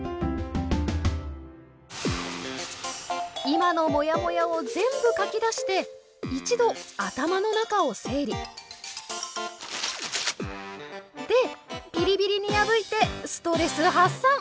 今のもやもやを全部書き出して一度頭の中を整理。でビリビリに破いてストレス発散！